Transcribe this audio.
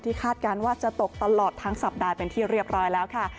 คาดการณ์ว่าจะตกตลอดทั้งสัปดาห์เป็นที่เรียบร้อยแล้วค่ะ